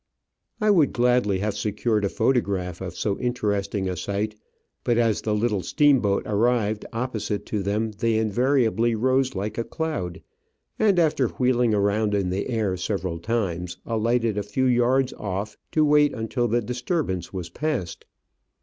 I would gladly have secured a photograph of so inter esting a sight, but as the little steamboat arrived oppo site to them they invariably rose like a cloud, and, after wheeling around in the air several times, alighted a few yards off to wait until the disturbance was passed.